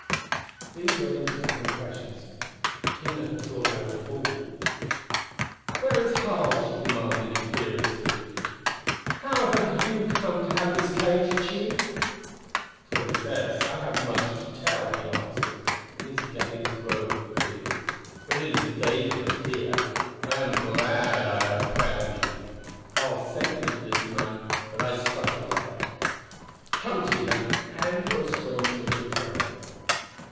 These were instant impressions. Tina had drawn Larry forward. "Where is Harl?" she demanded imperiously. "How have you come to have the cage, Tugh?" "Princess, I have much to tell," he answered, and his gaze roved the field. "But it is dangerous here; I am glad I have found you. Harl sent me to this night, but I struck it late. Come, Tina and your strange looking friend."